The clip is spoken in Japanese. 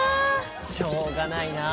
しょうがないなあ。